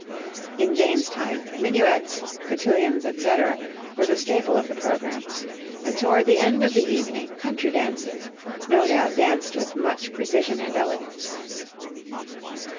In Jane's time, minuets, cotillions, etc., were the staple of the programme, and toward the end of the evening country dances, no doubt danced with much precision and elegance.